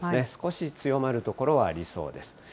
少し強まる所はありそうです。